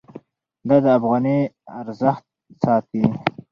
دا د افغانۍ ارزښت ساتي.